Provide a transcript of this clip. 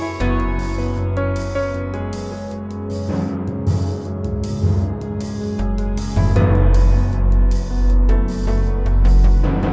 aku harus bagaimana berjalan tanpa kamu